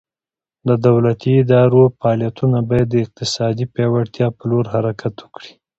د دولتي ادارو فعالیتونه باید د اقتصادي پیاوړتیا په لور حرکت وکړي.